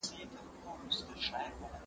زه کولای سم پاکوالی وکړم؟